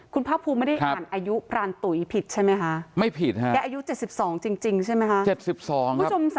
คุณภาพพูมอัยยุปรานตุ๋ยผิดใช่ไหมคะไม่ผิดค่ะอายุ๗๒จริงใช่ไหมฮะ๗๒